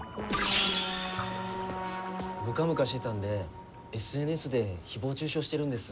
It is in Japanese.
ムカムカしてたんでＳＮＳで誹謗中傷してるんです。